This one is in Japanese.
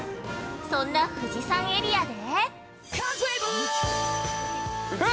そんな富士山エリアで。